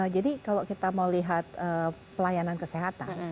jadi kalau kita mau lihat pelayanan kesehatan